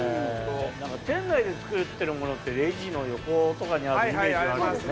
店内で作ってるものってレジの横とかにあるイメージはあるけどね。